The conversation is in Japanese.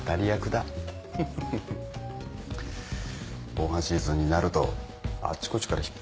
防犯シーズンになるとあっちこっちから引っ張りだこだった。